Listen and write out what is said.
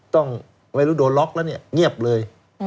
ไม่รู้โดนล็อกแล้วเนี่ยเงียบเลย